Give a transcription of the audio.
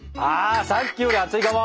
さっきより熱いかも！